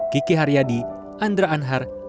kiki haryadi andra anhar